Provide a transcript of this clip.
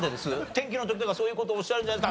天気の時とかそういう事をおっしゃるんじゃないですか。